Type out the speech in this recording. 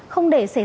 không để xe đổ ra